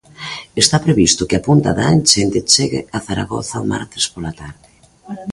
Está previsto que a punta da enchente chegue a Zaragoza o martes pola tarde.